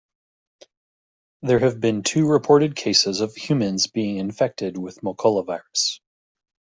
There have been two reported cases of humans being infected with Mokola virus.